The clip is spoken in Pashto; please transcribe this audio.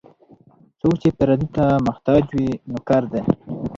څوک چې پردي ته محتاج وي، نوکر دی.